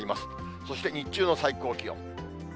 そして日中の最高気温。